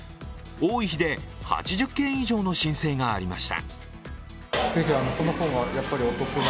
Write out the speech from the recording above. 多い日で８０件以上の申請がありました。